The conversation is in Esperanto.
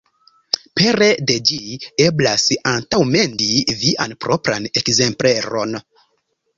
Pere de ĝi, eblas antaŭmendi vian propran ekzempleron.